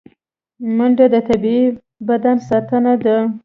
منډه د طبیعي بدن ساتنه ده